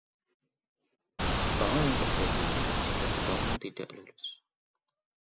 Apa yang terjadi jika Tom tidak lulus?